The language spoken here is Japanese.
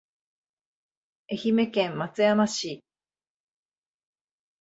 愛媛県松山市